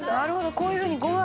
こういうふうにご飯。